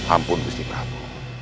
ampun gusti prabu